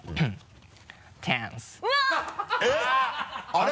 あれ？